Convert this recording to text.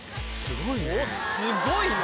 すごいね。